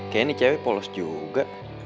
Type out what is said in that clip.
kayaknya ini cewek polos juga